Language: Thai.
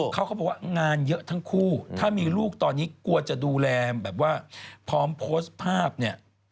เขาบอกว่างานเยอะทั้งคู่ถ้ามีลูกตอนนี้กลัวจะดูแลแบบว่าพร้อมโพสต์ภาพเนี่ย